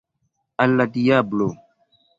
Al la diablo!